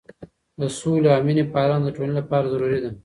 د سولې او مینې پالنه د ټولنې لپاره ضروري ده.